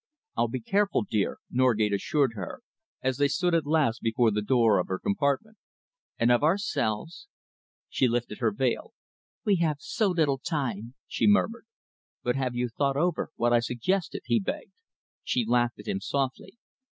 "I'll be careful, dear," Norgate assured her, as they stood at last before the door of her compartment. "And of ourselves?" She lifted her veil. "We have so little time," she murmured. "But have you thought over what I suggested?" he begged. She laughed at him softly.